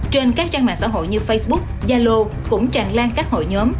trên các trang mạng xã hội như facebook zalo cũng tràn lan các hội nhóm